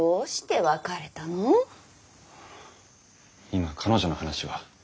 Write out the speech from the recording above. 今彼女の話は。